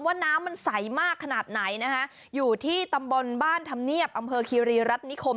ว่าน้ำมันใสมากขนาดไหนนะคะอยู่ที่ตำบลบ้านธรรมเนียบอำเภอคีรีรัฐนิคม